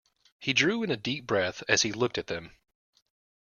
He drew in a deep breath as he looked at them.